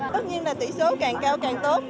tất nhiên là tỷ số càng cao càng tốt